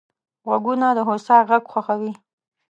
غوږونه د هوسا غږ خوښوي